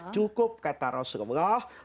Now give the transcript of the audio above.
cukup kata rasulullah